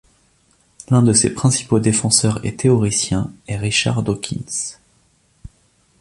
L'un de ses principaux défenseurs et théoriciens est Richard Dawkins.